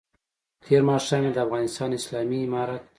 تېر ماښام یې د افغانستان اسلامي امارت